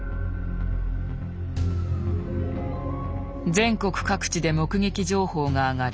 全国各地で目撃情報があがり